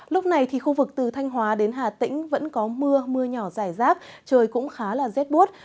lúc này thì khu vực từ thanh hóa đến hà tĩnh vẫn có mưa mưa nhỏ dài rác trời cũng khá là rét bút